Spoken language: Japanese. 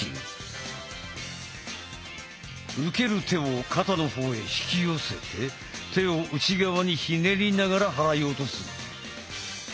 受ける手を肩の方へ引き寄せて手を内側にひねりながら払い落とす。